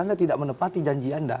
anda tidak menepati janji anda